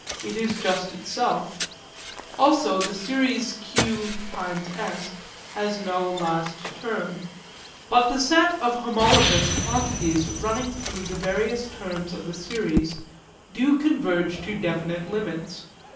It is just itself. Also the series q(s) has no last term. But the sets of homologous quantities running through the various terms of the series do converge to definite limits.